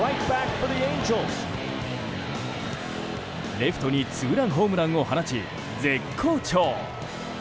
レフトにツーランホームランを放ち絶好調！